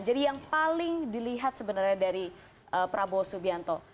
jadi yang paling dilihat sebenarnya dari prabowo subianto